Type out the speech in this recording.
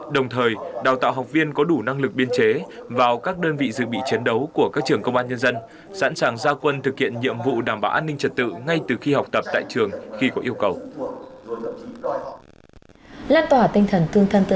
đồng thời đào tạo học viên có đủ năng lực biên chế vào các đơn vị dự bị chiến đấu của các trường công an nhân dân sẵn sàng gia quân thực hiện nhiệm vụ đảm bảo an ninh trật tự ngay từ khi học tập tại trường khi có yêu cầu